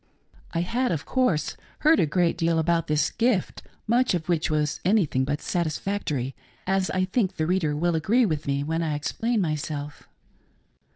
66 THE GIFT OF TONGUES, I had, of course, heard a great deal about this " gift," much of which was anything but satisfactory, as I think the reader will agree with me, when I explain myself.